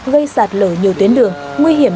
gây sạt lở nhiều tuyến đường nguy hiểm